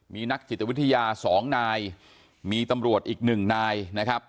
มีนักจิตวิทยา๒นายมีตำรวจอีกหนึ่งนายนะครับ